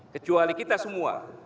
kecuali kita semua